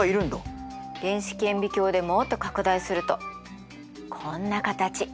電子顕微鏡でもっと拡大するとこんな形。